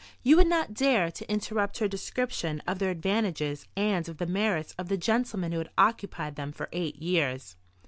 You would not dare to interrupt her description of their advantages and of the merits of the gentleman who had occupied them for eight years.